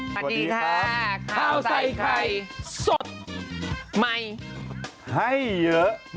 สวัสดีค่ะข้าวใส่ไข่สดใหม่ให้เยอะ